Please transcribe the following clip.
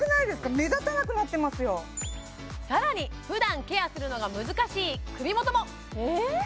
目立たなくなってますよ更にふだんケアするのが難しい首元もええ？